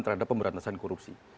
terhadap pemberantasan korupsi